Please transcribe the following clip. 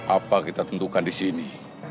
apa kita tentukan disini